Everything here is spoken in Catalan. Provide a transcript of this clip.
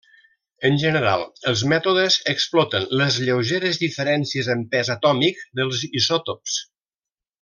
En general els mètodes exploten les lleugeres diferències en pes atòmic dels isòtops.